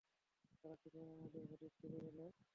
ওরা কীভাবে আমাদের হদিস খুঁজে পেল?